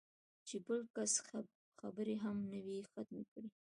چې بل کس خبرې هم نه وي ختمې کړې